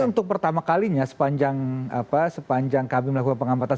ini untuk pertama kalinya sepanjang apa sepanjang kami melakukan pengamatan